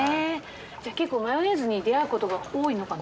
じゃあ結構マヨネーズに出会うことが多いのかな？